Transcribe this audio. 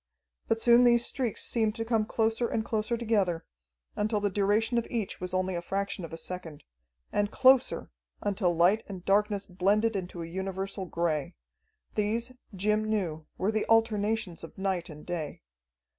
But soon these streaks seemed to come closer and closer together, until the duration of each was only a fraction of a second. And closer, until light and darkness blended into a universal gray. These, Jim knew, were the alternations of night and day.